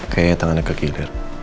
kayaknya tangannya kekiler